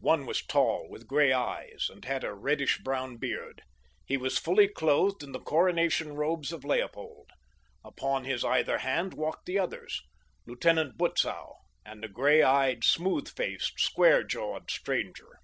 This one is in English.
One was tall, with gray eyes and had a reddish brown beard. He was fully clothed in the coronation robes of Leopold. Upon his either hand walked the others—Lieutenant Butzow and a gray eyed, smooth faced, square jawed stranger.